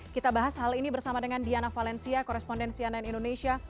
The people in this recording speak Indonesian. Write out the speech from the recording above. kita bahas hal ini bersama dengan diana valencia korespondensi ann indonesia